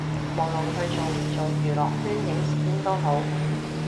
無論佢做唔做娛樂圈影視圈都好